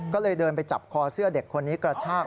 ก็เลยเดินไปจับคอเสื้อเด็กคนนี้กระชาก